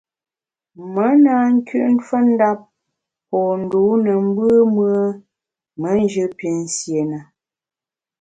Me na nküt mfendap po ndû ne mbùm-ùe me njù pinsié na.